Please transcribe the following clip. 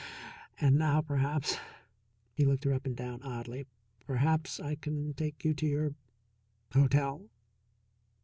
And now, perhaps" he looked her up and down, oddly "perhaps I can take you to your hotel?"